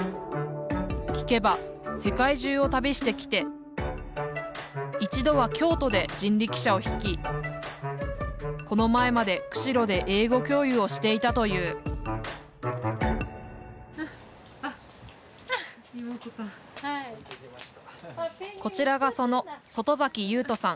聞けば世界中を旅してきて一度は京都で人力車を引きこの前まで釧路で英語教諭をしていたというこちらがその外崎雄斗さん。